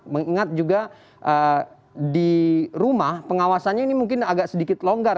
mengingat juga di rumah pengawasannya ini mungkin agak sedikit longgar